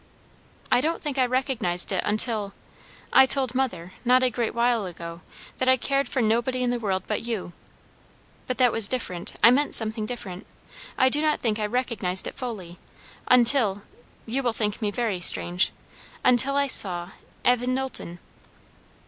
"I don't think I recognised it until I told mother, not a great while ago, that I cared for nobody in the world but you; but that was different; I meant something different; I do not think I recognised it fully, until you will think me very strange until I saw Evan Knowlton."